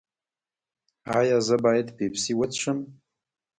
ایا زه باید پیپسي وڅښم؟